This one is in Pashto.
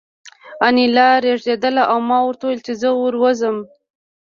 انیلا رېږېدله او ما ورته وویل چې زه ور ووځم